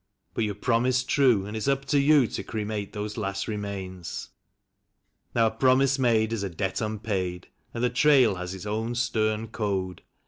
But you promised true, and it's up to you to cremate those last remains." Now a promise made is a debt unpaid, and the trail has its own stern code.